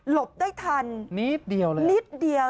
ได้ทันนิดเดียวเลยนิดเดียว